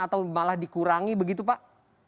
atau malah dikurangi begitu pak